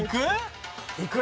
いく？